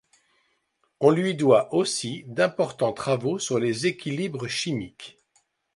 On lui doit aussi d’importants travaux sur les équilibres chimiques.